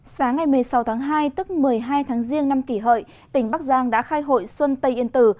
sáng ngày một mươi sáu tháng hai tức một mươi hai tháng riêng năm kỷ hợi tỉnh bắc giang đã khai hội xuân tây yên tử